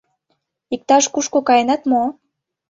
Иктаж-кушко каенат мо?